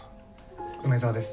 梅沢です。